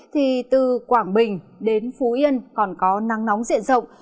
thì từ quảng bình đến phú yên còn có nắng nóng diện rộng